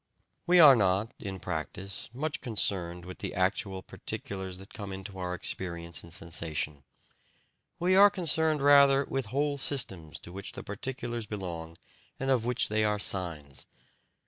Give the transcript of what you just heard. We are not, in practice, much concerned with the actual particulars that come into our experience in sensation; we are concerned rather with whole systems to which the particulars belong and of which they are signs.